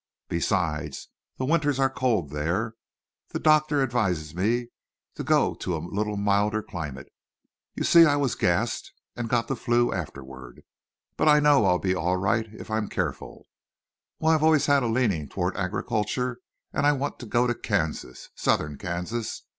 Besides, the winters are cold there. The doctor advises me to go to a little milder climate. You see, I was gassed, and got the 'flu' afterward. But I know I'll be all right if I'm careful.... Well, I've always had a leaning toward agriculture, and I want to go to Kansas. Southern Kansas.